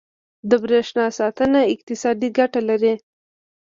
• د برېښنا ساتنه اقتصادي ګټه لري.